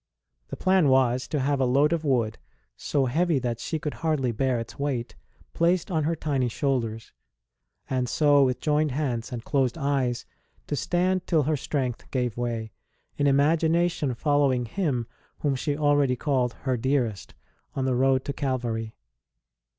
The plan was to have a load of wood, so heavy that she could hardly bear its weight, placed on her tiny shoulders; and so, with joined hands and closed eyes, to stand till her strength gave way, in imagination following Him whom she already called her dearest on the road to Calvary.